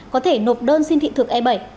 có thể nộp đơn xin thị thực e bảy